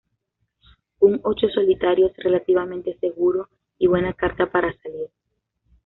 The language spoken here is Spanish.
Un ocho solitario es relativamente seguro y buena carta para salir.